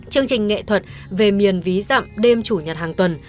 chương trình nghệ thuật về miền ví dặm đêm chủ nhật hàng tuần